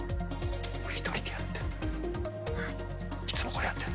お１人でやってる。